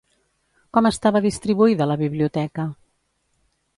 Com estava distribuïda la biblioteca?